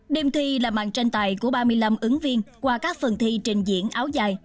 đêm thi là mạng tranh tài của ba mươi năm ứng viên qua các phần thi trình diễn áo dài